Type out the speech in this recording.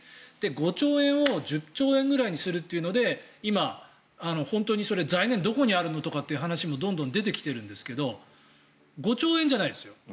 ５兆円を１０兆円くらいにするというので今、本当に財源がどこにあるのって話もどんどん出てきているんですけど５兆円じゃないですよ